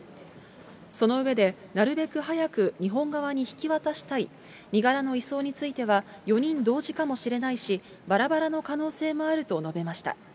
その上で、なるべく早く日本側に引き渡したい、身柄の移送については、４人同時かもしれないし、ばらばらの可能性もあると述べました。